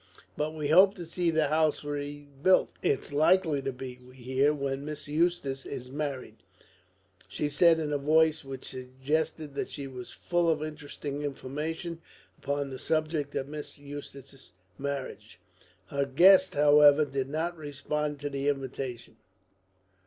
"But we hope to see the house rebuilt. It's likely to be, we hear, when Miss Eustace is married," she said, in a voice which suggested that she was full of interesting information upon the subject of Miss Eustace's marriage. Her guest, however, did not respond to the invitation.